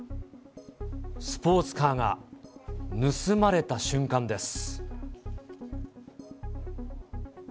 スポーツカーが盗まれた瞬間です。